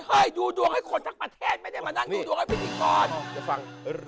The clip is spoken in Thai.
เคยดูดวงให้คนทั้งประเทศไม่ได้มานั่งดูดวงให้พิธีกร